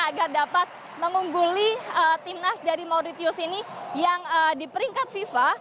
agar dapat mengungguli timnas dari mauritius ini yang di peringkat fifa